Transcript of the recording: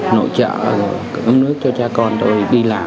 nội trợ nước cho cha con tôi đi làm